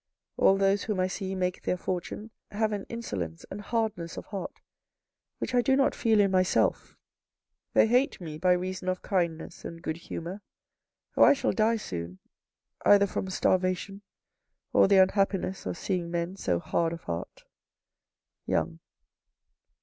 All those whom I see make their fortune, have an insolence and hardness of heart which I do not feel in myself. They hate me by reason of kindness and good humour. Oh, I shall die soon, either from starvation or the unhappiness of seeing men so hard of heart. — Young.